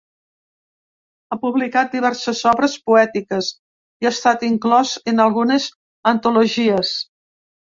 Ha publicat diverses obres poètiques i ha estat inclòs en algunes antologies.